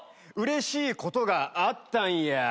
うれしいことがあったんや。